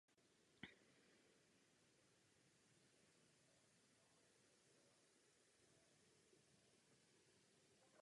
Jejím manželem je bývalý tenista a druhý hráč světa Petr Korda.